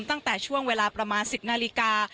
ตั้งแต่ช่วงเวลาประมาณ๑๐นาฬิกา